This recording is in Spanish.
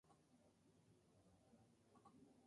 No era la primera adaptación para la gran pantalla.